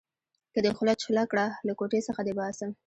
که دې خوله چوله کړه؛ له کوټې څخه دې باسم.